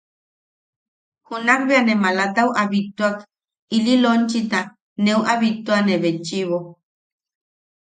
Junak bea ne malatau a bittuak ili lonchita neu a bittuane betchiʼibo.